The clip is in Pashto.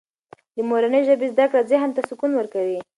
د مورنۍ ژبې زده کړه ذهن ته سکون ورکوي.